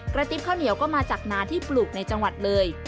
ติ๊บข้าวเหนียวก็มาจากนาที่ปลูกในจังหวัดเลย